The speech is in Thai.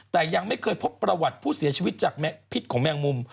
แต่ยังไม่เคยพบประวัติผู้เสียชีวิตจากพิษของแมงมุม